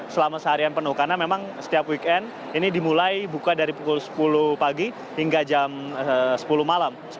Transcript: karena memang setiap weekend ini dimulai buka dari pukul sepuluh pagi hingga jam sepuluh malam